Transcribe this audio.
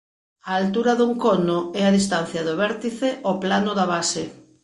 A altura dun cono é a distancia do vértice ao plano da base.